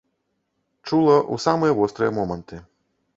Чула ў самыя вострыя моманты.